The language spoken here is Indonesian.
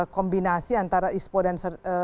kombinasi antara ispo dan